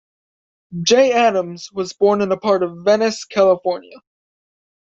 Jay Adams was born in a part of Venice, California.